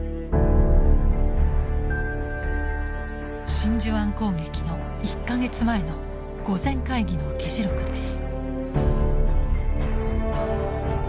真珠湾攻撃の１か月前の御前会議の議事録です。